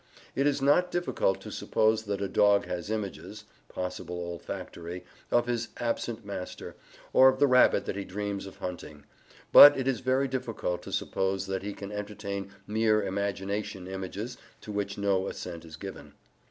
It is not difficult to suppose that a dog has images (possible olfactory) of his absent master, or of the rabbit that he dreams of hunting. But it is very difficult to suppose that he can entertain mere imagination images to which no assent is given.